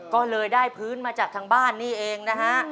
ก็เลยได้พื้นมาจากทางบ้านนี่เองนะฮะ